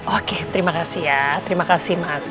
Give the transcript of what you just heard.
oke terima kasih ya terima kasih mas